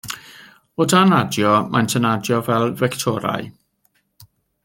O dan adio, maent yn adio fel fectorau.